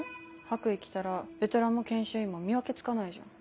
白衣着たらベテランも研修医も見分けつかないじゃん。